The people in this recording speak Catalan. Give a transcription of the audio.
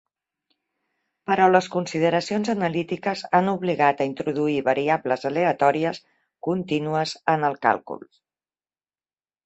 Però les consideracions analítiques han obligat a introduir variables aleatòries contínues en el càlcul.